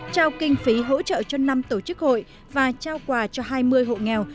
trao kinh phí hỗ trợ cho năm tổ chức hội và trao quà cho hai mươi hộ nghèo